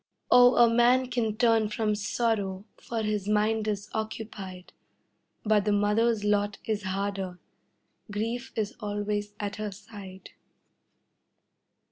Oh, a man can turn from sorrow, for his mind is occupied, But the mother's lot is harder grief is always at her side.